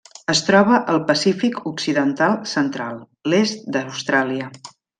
Es troba al Pacífic occidental central: l'est d'Austràlia.